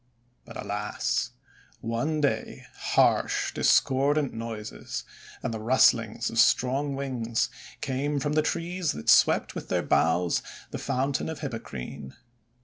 But, alas! one day harsh, discordant noises, and the rustlings of strong wings, came from the trees that swept with their boughs the Fountain of Hippocrene.